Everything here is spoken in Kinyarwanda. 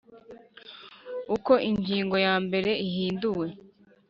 Uko ingingo ya mbere ihinduwe